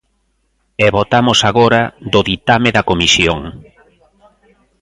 E votamos agora do ditame da Comisión.